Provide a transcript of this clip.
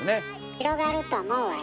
広がると思うわよ。